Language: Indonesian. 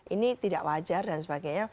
ini tidak wajar dan sebagainya